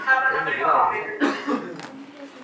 ازاده مطالعه به علمي پرمختګ ته لار هواره کړي.